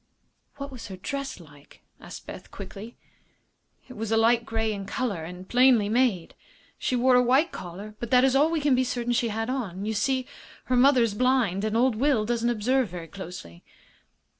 "What was her dress like?" asked Beth, quickly. "It was a light grey in color, and plainly made. She wore a white collar, but that is all we can be certain she had on. You see her mother is blind, and old Will doesn't observe very closely."